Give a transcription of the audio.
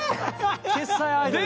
決済アイドルや。